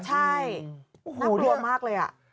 ใช่น่ากลัวมากเลย